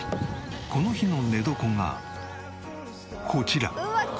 この日の寝床がこちら。